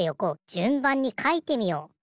じゅんばんにかいてみよう。